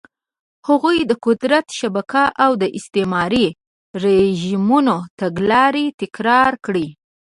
هغوی د قدرت شبکه او د استعماري رژیمونو تګلارې تکرار کړې.